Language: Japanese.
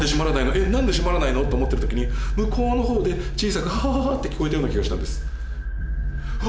えっ何で閉まらないの？と思ってる時に向こうの方で小さく「ハハハハ」って聞こえたような気がしたんですうわ